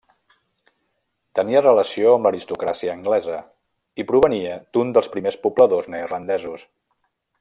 Tenia relació amb l’aristocràcia anglesa i provenia d'un dels primers pobladors neerlandesos.